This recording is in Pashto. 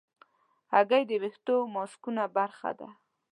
هګۍ د ویښتو ماسکونو برخه ده.